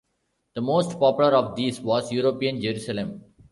The most popular of these was "European Jerusalem".